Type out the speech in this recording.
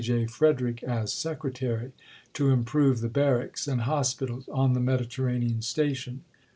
J. Frederick as Secretary, to improve the Barracks and Hospitals on the Mediterranean Station.